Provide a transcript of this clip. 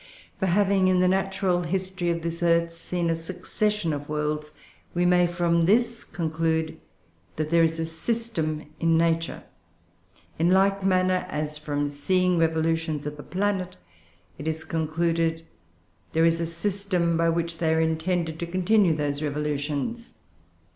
For having, in the natural history of this earth, seen a succession of worlds, we may from this conclude that there is a system in Nature; in like manner as, from seeing revolutions of the planets, it is concluded, that there is a system by which they are intended to continue those revolutions.